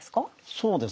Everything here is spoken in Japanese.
そうですね